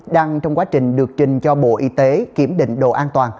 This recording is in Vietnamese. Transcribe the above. đang trong quá trình được trình cho bộ y tế kiểm định đồ an toàn